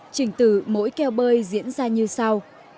trình tử mỗi keo bơi diễn ra như sau